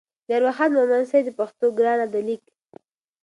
د ارواښاد مومند صیب د پښتو ګرانه ده لیک